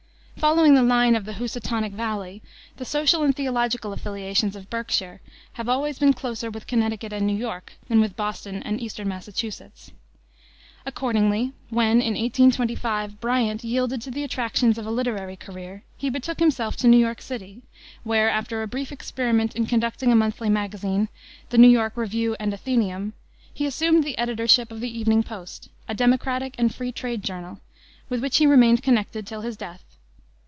Following the line of the Housatonic Valley, the social and theological affiliations of Berkshire have always been closer with Connecticut and New York than with Boston and Eastern Massachusetts. Accordingly, when, in 1825, Bryant yielded to the attractions of a literary career, he betook himself to New York city, where, after a brief experiment in conducting a monthly magazine, the New York Review and Athenaeum, he assumed the editorship of the Evening Post, a Democratic and Free trade journal, with which he remained connected till his death.